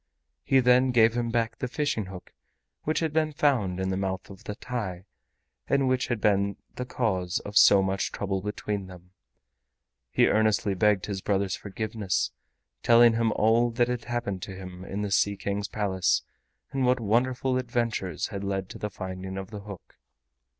He then gave him back the fishing hook which had been found in the mouth of the TAI and which had been the cause of so much trouble between them. He earnestly begged his brother's forgiveness, telling him all that had happened to him in the Sea King's Palace and what wonderful adventures had led to the finding of the hook.